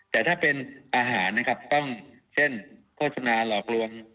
แต่ถ้าเป็นอาหารนะครับต้องเช่นโฆษณาหลอกลวง